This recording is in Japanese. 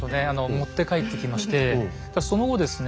持って帰ってきましてその後ですね